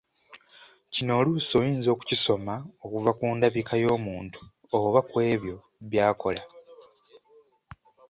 Kino oluusi oyinza okukisoma okuva ku ndabika y'omuntu oba kw'ebyo by'akola.